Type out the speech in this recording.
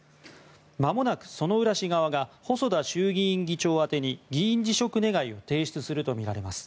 まもなく薗浦氏側が細田衆議院議長宛てに議員辞職願を提出するとみられます。